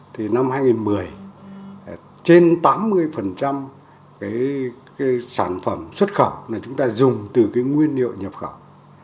thì năm hai nghìn một mươi trên tám mươi cái sản phẩm xuất khẩu là chúng ta dùng từ cái nguyên liệu nhập khẩu